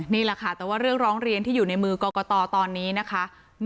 นี่แหละค่ะแต่ว่าเรื่องร้องเรียนที่อยู่ในมือกรกตตอนนี้นะคะ